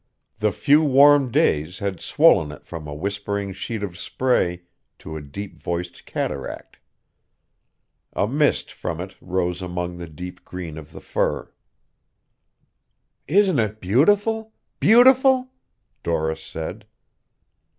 The few warm days had swollen it from a whispering sheet of spray to a deep voiced cataract. A mist from it rose among the deep green of the fir. "Isn't it beautiful beautiful?" Doris said.